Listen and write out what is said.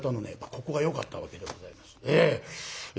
ここがよかったわけでございます。